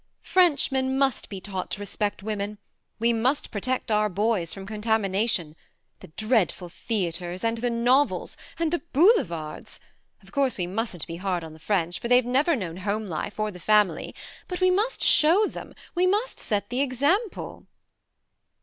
'' French men must be taught to respect Women. We must protect our boys from con THE MARNE 65 tamination ... the dreadful theatres ... and the novels ... and the Boule vards. ... Of course we mustn't be hard on the French, for they've never known Home Life, or the Family ... but we must show them ... we must set the example.